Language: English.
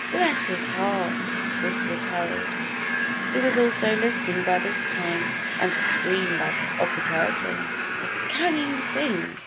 "Bless his heart!" whispered Harold, who was also listening by this time under screen of the curtain. "The cunning thing!"